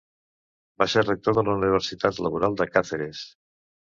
Va ser rector de la Universitat Laboral de Càceres.